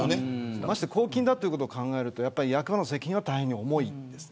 まして公金ということを考えると役場の責任は大変に重いです。